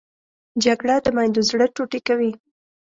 جګړه د میندو زړه ټوټې کوي